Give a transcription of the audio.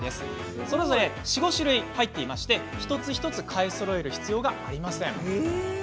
それぞれ４、５種類入っていて一つ一つ買いそろえる必要がありません。